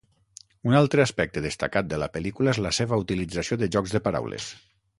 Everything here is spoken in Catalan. Un altre aspecte destacat de la pel·lícula és la seva utilització de jocs de paraules.